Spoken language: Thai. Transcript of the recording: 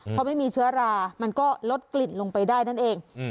พอไม่มีเชื้อรามันก็ลดกลิ่นลงไปได้นั่นเอง